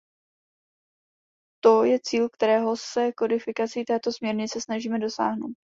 To je cíl, kterého se kodifikací této směrnice snažíme dosáhnout.